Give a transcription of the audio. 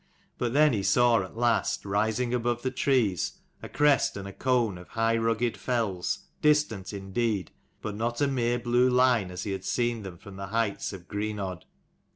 But then he saw, at last, rising above the trees, a crest and a cone, of high rugged fells, distant indeed, but not a mere blue line as he had seen them from the heights of Greenodd.